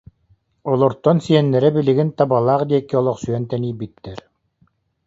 Олортон сиэннэрэ билигин Табалаах диэки олохсуйан тэнийбитэр